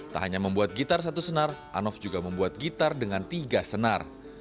tak hanya membuat gitar satu senar anov juga membuat gitar dengan tiga senar